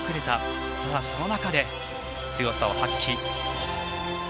ただ、その中で強さを発揮。